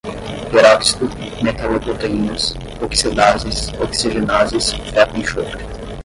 peróxido, metaloproteínas, oxidases, oxigenases, ferro-enxofre